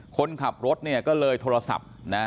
คนขับรถก็เลยโทรศัพท์